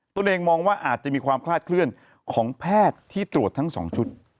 ตัวเองมองว่าอาจจะมีความคลาดเคลื่อนของแพทย์ที่ตรวจทั้ง๒ชุด